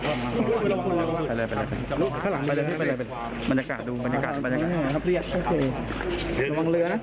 ไปเลยไปเลยไปเลย